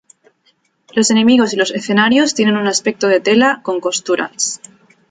Los enemigos y los escenarios tienen un aspecto de tela con costuras.